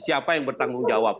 siapa yang bertanggung jawab